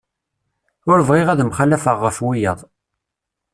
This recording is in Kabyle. Ur bɣiɣ ad mxalafeɣ ɣef wiyaḍ.